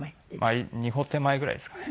まあ二歩手前ぐらいですかね。